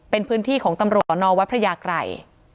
เป็นพื้นที่ของตำรวจนวัดพระยากรัย